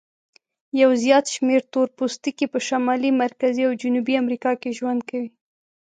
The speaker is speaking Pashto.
یو زیات شمیر تور پوستکي په شمالي، مرکزي او جنوبي امریکا کې ژوند کوي.